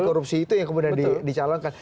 korupsi itu yang kemudian dicalonkan